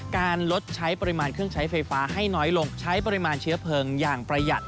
การลดใช้ปริมาณเครื่องใช้ไฟฟ้าให้น้อยลงใช้ปริมาณเชื้อเพลิงอย่างประหยัด